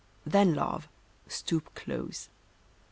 Then, Love, stoop close.